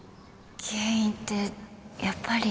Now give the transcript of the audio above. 原因ってやっぱり